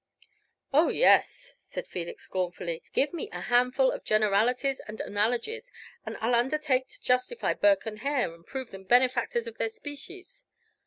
"Oh, yes!" said Felix, scornfully, "give me a handful of generalities and analogies, and I'll undertake to justify Burke and Hare, and prove them benefactors of their species.